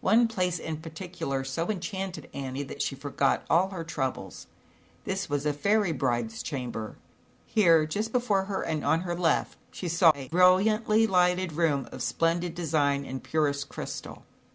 One place in particular so enchanted Annie that she forgot all her troubles. This was a fairy bride's chamber. Here, just before her and on her left, she saw a brilliantly lighted room of splendid design and purest crystal.